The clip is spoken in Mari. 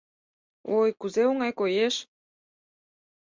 Ой, кузе оҥай коеш!